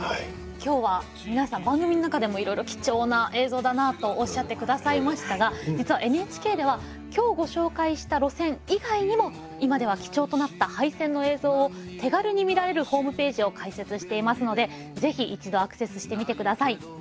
今日は皆さん番組の中でもいろいろ貴重な映像だなとおっしゃって下さいましたが実はＮＨＫでは今日ご紹介した路線以外にも今では貴重となった廃線の映像を手軽に見られるホームページを開設していますのでぜひ一度アクセスしてみて下さい。